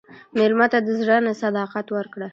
مېلمه ته د زړه نه صداقت ورکړه.